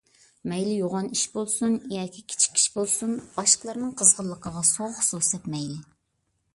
مەيلى يوغان ئىش بولسۇن ياكى كىچىك ئىش بولسۇن، باشقىلارنىڭ قىزغىنلىقىغا سوغۇق سۇ سەپمەيلى.